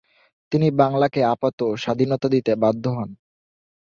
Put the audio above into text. তিনি বাংলাকে আপাতঃ স্বাধীনতা দিতে বাধ্য হন।